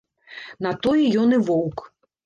На тое ён і воўк!